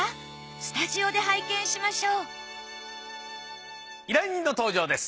スタジオで拝見しましょう依頼人の登場です。